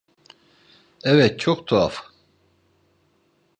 Evet, çok tuhaf.